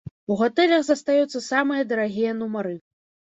У гатэлях застаюцца самыя дарагія нумары.